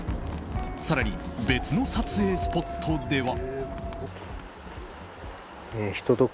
更に、別の撮影スポットでは。